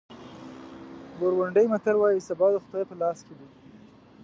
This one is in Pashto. بورونډي متل وایي سبا د خدای په لاس کې دی.